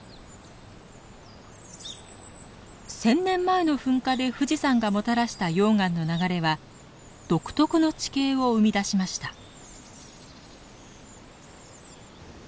１，０００年前の噴火で富士山がもたらした溶岩の流れは独特の地形を生み出しました。